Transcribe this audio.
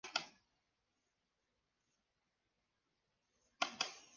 Las ramas son glabrescentes.